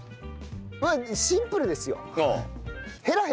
まあシンプルですよ。